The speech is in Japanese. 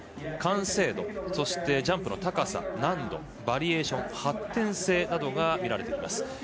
完成度、ジャンプの高さ、難度バリエーション、発展性などが見られています。